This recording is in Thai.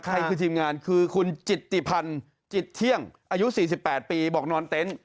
ใครคือทีมงานคือคุณจิตติพันธ์จิตเที่ยงอายุ๔๘ปีบอกนอนเต็นต์